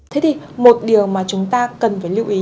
thế thì một điều mà chúng ta cần phải lưu ý